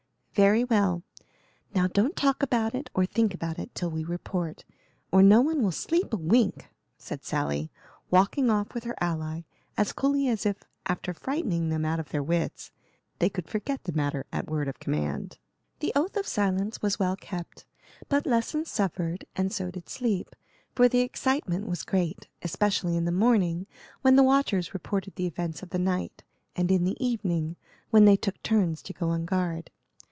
"Very well; now don't talk about it or think about it till we report, or no one will sleep a wink," said Sally, walking off with her ally as coolly as if, after frightening them out of their wits, they could forget the matter at word of command. The oath of silence was well kept, but lessons suffered, and so did sleep, for the excitement was great, especially in the morning, when the watchers reported the events of the night, and in the evening, when they took turns to go on guard.